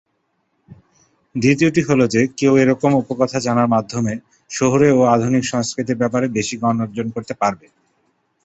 দ্বিতীয়টি হলো যে, কেউ এইরকম উপকথা জানার মাধ্যমে শহুরে ও আধুনিক সংস্কৃতির ব্যাপারে বেশি জ্ঞান অর্জন করতে পারবে।